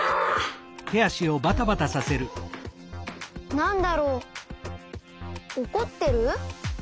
なんだろうおこってる？